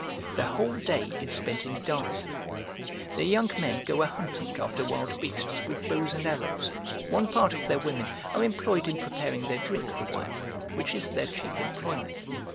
The whole day is spent in dancing. Their young men go a hunting after wild beasts with bows and arrows; one part of their women are employed in preparing their drink the while, which is their chief employment.